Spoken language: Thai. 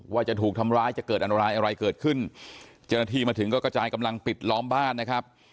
ว่าจะถูกทำร้ายจะเกิดอันตรายอะไรเกิดขึ้นเจ้าหน้าที่มาถึงก็กระจายกำลังปิดล้อมบ้านนะครับ